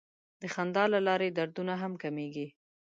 د خندا له لارې دردونه هم کمېږي.